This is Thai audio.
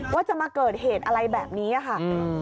ว่าจะมาเกิดเหตุอะไรแบบนี้ค่ะ